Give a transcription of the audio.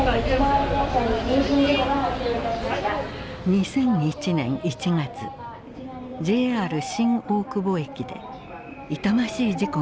２００１年１月ＪＲ新大久保駅で痛ましい事故が起きた。